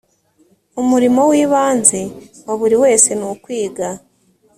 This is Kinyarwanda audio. umurimo w ibanze wa buri wese nukwiga